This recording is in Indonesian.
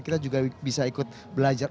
kita juga bisa ikut belajar